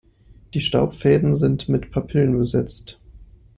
Die Staubfäden sind mit Papillen besetzt.